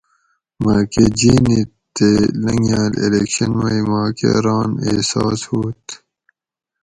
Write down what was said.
مہۤ کہۤ جینی تے لنگاۤل الیکشن مئ ماکہ ران احساس ہُوت